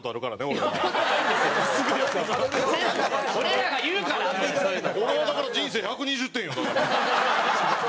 俺はだから人生１２０点やな。